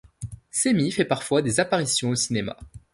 Semmy fait parfois des apparitions au cinéma.